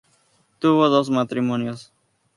Tuvo dos matrimonios.